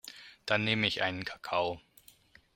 Dann nehm ich einen Kakao.